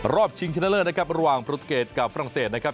ชิงชนะเลิศนะครับระหว่างปรุเกตกับฝรั่งเศสนะครับ